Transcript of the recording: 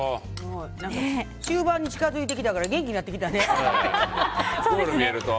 終盤に近付いてきたから元気になってきたね。